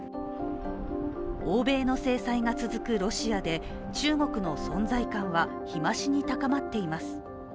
欧米の制裁が続くロシアで中国の存在感は日増しに高まっています。